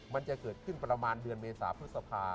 มันจะเกิดขึ้นประมาณเดือนเมษาพฤษภา